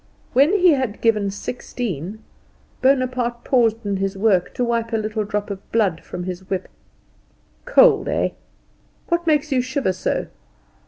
When he had given sixteen Bonaparte paused in his work to wipe a little drop of blood from his whip. "Cold, eh? What makes you shiver so?